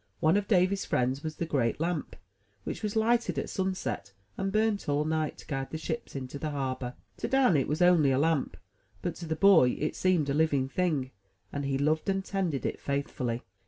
One of Davy's friends was the great lamp, which was lighted at sunset, and burnt all night, to guide the ships into the harbor. To Dan it was only a lamp; but to the boy it seemed a living thing, and he loved and tended it faithfully.